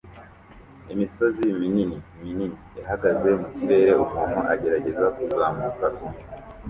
Imisozi minini minini ihagaze mu kirere umuntu agerageza kuzamuka umwe